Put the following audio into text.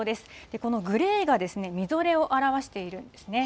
このグレーがみぞれを表しているんですね。